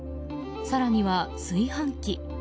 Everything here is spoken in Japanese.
更には、炊飯器。